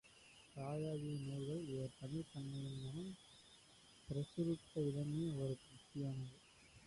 ராஜாஜியின் நூல்களை இவர் தமிழ்ப் பண்ணையின் மூலம் பிரசுரித்த விதமே ஒரு பக்தியானது.